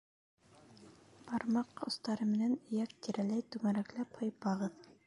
Бармаҡ остары менән эйәк тирәләй түңәрәкләп һыйпағыҙ.